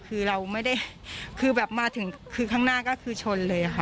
คือเราไม่ได้คือแบบมาถึงคือข้างหน้าก็คือชนเลยค่ะ